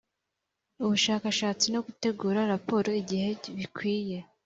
Ubushakashatsi no gutegura raporo igihe bikwiye